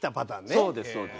そうですそうです。